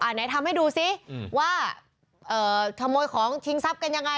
อ่าไหนทำให้ดูสิอืมว่าเอ่อถโมยของชิงทรัพย์กันยังไง